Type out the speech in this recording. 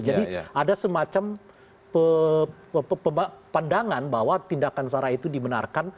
jadi ada semacam pandangan bahwa tindakan sara itu dimenarkan